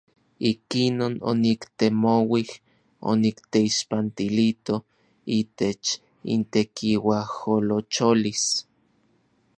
Ikinon oniktemouij onikteixpantilito itech intekiuajolocholis.